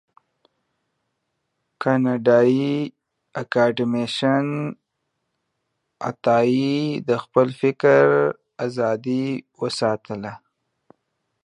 کانديد اکاډميسن عطایي د خپل فکر آزادی وساتله.